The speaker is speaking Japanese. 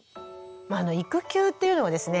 育休っていうのはですね